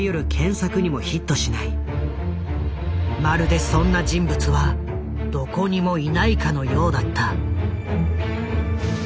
まるでそんな人物はどこにもいないかのようだった。